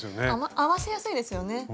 合わせやすいですよね。